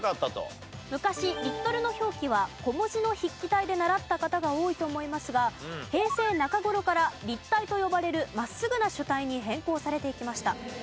昔リットルの表記は小文字の筆記体で習った方が多いと思いますが平成中頃から立体と呼ばれる真っすぐな書体に変更されていきました。